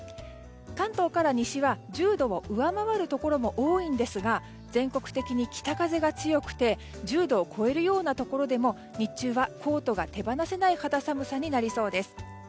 関東から西は１０度を上回るところも多いんですが全国的に北風が強くて１０度を超えるようなところでも日中はコートが手放せない肌寒さになりそうです。